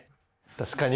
確かに。